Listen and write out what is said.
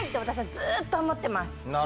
私はずっと思ってます。